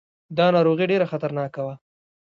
دا ناروغي ډېره خطرناکه وه.